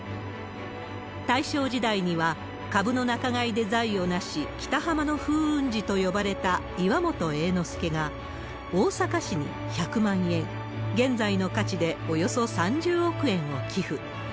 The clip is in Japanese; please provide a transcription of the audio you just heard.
大正時代には株の仲買で財を成し、北浜の風雲児と呼ばれた岩本栄之助が、大阪市に１００万円、現在の価値でおよそ３０億円を寄付。